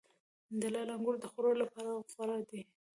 د لعل انګور د خوړلو لپاره غوره دي.